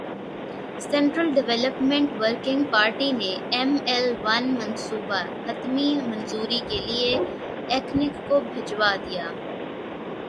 central development working party نے M L one منصوبہ حتمی منظوری کیلئے ایکنک کو بھجوادیا